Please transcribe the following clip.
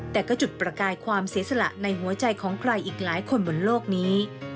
แต่ก็จุดประกายความเสียสละในหัวใจของใครอีกหลายคนบนโลกนี้